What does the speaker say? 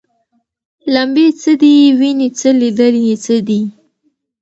لمبې څه دي ویني څه لیدل یې څه دي